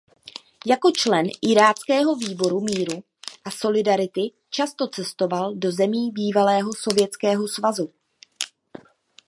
Jako člen iráckého výboru míru a solidarity často cestoval do zemí bývalého Sovětského svazu.